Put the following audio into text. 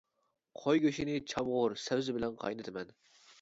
قوي گۆشىنى چامغۇر، سەۋزە بىلەن قاينىتىمەن.